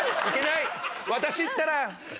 いけない私ったら。